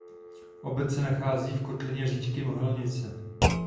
Obec se nachází v kotlině říčky Mohelnice.